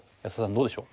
どうでしょう？